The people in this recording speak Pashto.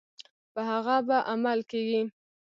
په هغه به عمل کیږي.